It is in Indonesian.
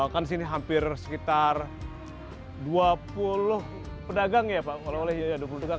kan di sini hampir sekitar dua puluh pedagang ya pak kalau boleh ya dua puluh pedagang